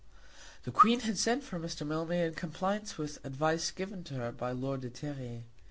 The Queen had sent for Mr. Mildmay in compliance with advice given to her by Lord de Terrier.